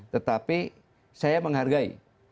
tetapi saya menghargai